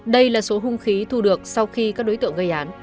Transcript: đây là số hung khí thu được sau khi các đối tượng gây án